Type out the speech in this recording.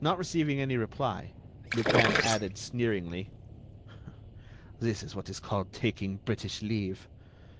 Not receiving any reply, Lupin added, sneeringly: "That is what is called 'taking British leave.